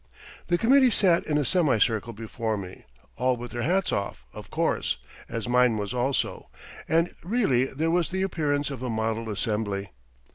The committee sat in a semicircle before me, all with their hats off, of course, as mine was also; and really there was the appearance of a model assembly.